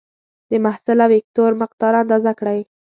د محصله وکتور مقدار اندازه کړئ.